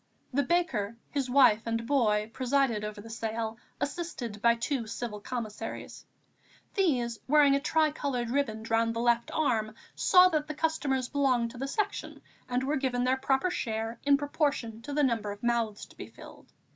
The baker, his wife and boy presided over the sale, assisted by two Civil Commissaries. These, wearing a tricoloured riband round the left arm, saw that the customers belonged to the Section and were given their proper share in proportion to the number of mouths to be filled.